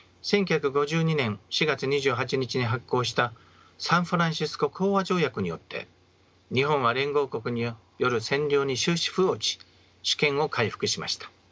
１９５２年４月２８日に発効したサンフランシスコ講和条約によって日本は連合国による占領に終止符を打ち主権を回復しました。